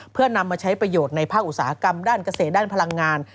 เพื่อนำมาใช้ประโยชน์ในภาคอุตสาหกรรมด้านเกษตรด้านพลังงาน